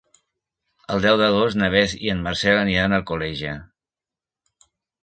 El deu d'agost na Beth i en Marcel aniran a Alcoleja.